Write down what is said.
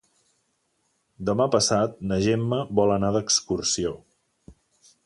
Demà passat na Gemma vol anar d'excursió.